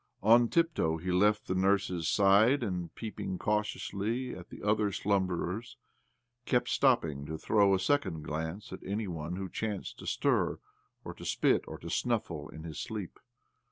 On tiptoe he left the nurse's side, and, peeping cautiously at the other slumberers, kept stopping to throw a second glance at any one who chanced to stir, or tO' spit, or to snuffle in his sleep.